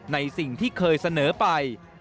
ในสิ่งที่เคยเสนอไป